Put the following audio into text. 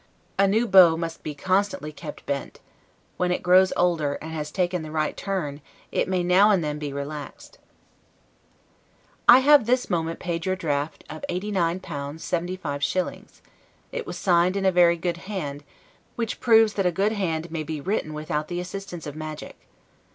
A new bow must be constantly kept bent; when it grows older, and has taken the right turn, it may now and then be relaxed. I have this moment paid your draft of L89 75s.; it was signed in a very good hand; which proves that a good hand may be written without the assistance of magic.